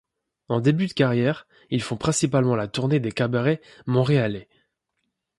En début de carrière, ils font principalement la tournée des cabarets montréalais.